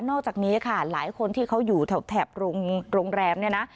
อกจากนี้ค่ะหลายคนที่เขาอยู่แถบโรงแรมเนี่ยนะ